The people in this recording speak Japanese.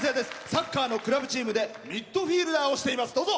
サッカーのクラブチームでミッドフィールダーをしています。